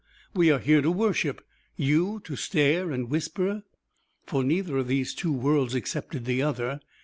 We are here to worship; you to stare and whisper!" For neither of these two worlds accepted the other.